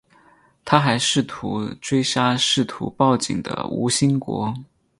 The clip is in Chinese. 他还试图追杀试图报警的吴新国。